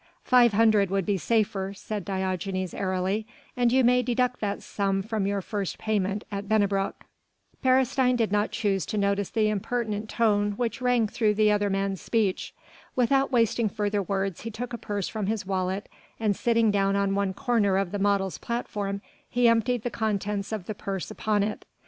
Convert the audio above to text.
"Five hundred would be safer," said Diogenes airily, "and you may deduct that sum from your first payment at Bennebrock." Beresteyn did not choose to notice the impertinent tone which rang through the other man's speech. Without wasting further words, he took a purse from his wallet, and sitting down on one corner of the model's platform, he emptied the contents of the purse upon it.